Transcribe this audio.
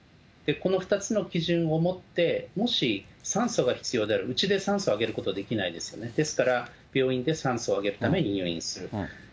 この２つの基準をもって、もし、酸素が必要である、うちで酸素をあげることはできないですよね、ですから、病院で酸素をあげるために入院する。